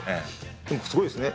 でもすごいですね